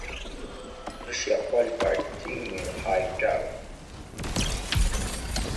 Russia qualified three male high divers.